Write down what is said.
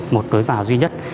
một lối vào duy nhất